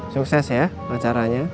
sukses ya acaranya